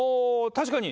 確かに。